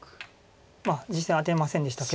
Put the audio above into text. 実戦アテませんでしたけど。